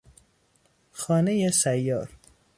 خانهی سیار